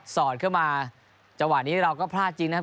อดเข้ามาจังหวะนี้เราก็พลาดจริงนะครับ